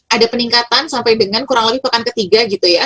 ada peningkatan sampai dengan kurang lebih pekan ketiga